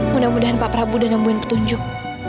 mudah mudahan pak prabu sudah menemukan petunjuk